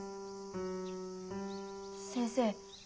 先生